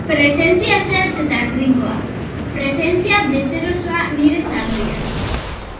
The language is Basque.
Presentzia zehatz eta trinkoa, presentzia deserosoa nire saloian.